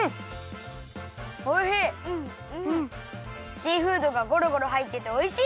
シーフードがゴロゴロはいってておいしい！